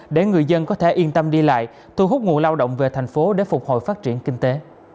để người dân có thể yên tâm đi lại thu hút nguồn lao động về thành phố để phục hồi phát triển kinh tế